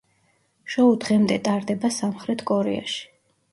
შოუ დღემდე ტარდება სამხრეთ კორეაში.